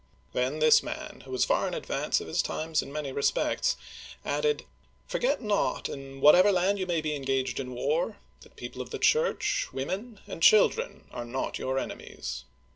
Then this man, who was far in advance of his times in many respects, added, "Forget not, in what ever land you may be engaged in war, that people of the Church, women, and children are not your enemies."